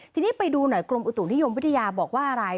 ทีนี้ไปดูหน่อยกรมอุตุนิยมวิทยาบอกว่าอะไร